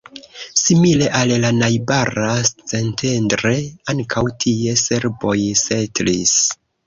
Simile al la najbara Szentendre, ankaŭ tie serboj setlis.